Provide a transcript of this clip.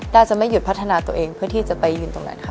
น่าจะไม่หยุดพัฒนาตัวเองเพื่อที่จะไปยืนตรงนั้นค่ะ